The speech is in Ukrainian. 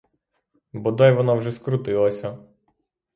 Бодай вона вже скрутилася!